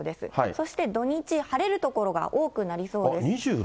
そして土日、晴れる所が多くなりそうです。